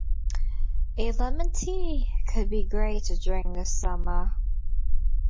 A lemon tea could be great to drink this summer.